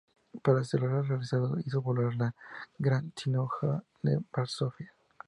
Para celebrar lo realizado hizo volar la gran sinagoga de Varsovia.